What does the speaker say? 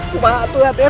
bapak atuh ya den